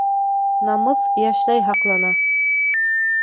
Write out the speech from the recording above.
Намыҫ йәшләй һаҡлана.